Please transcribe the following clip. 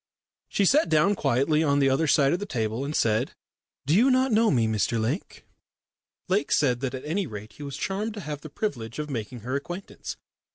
She sat down quietly on the other side of the table, and said: "Do you not know me, Mr Lake?" Lake said that at any rate he was charmed to have the privilege of making her acquaintance.